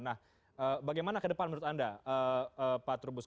nah bagaimana ke depan menurut anda pak trubus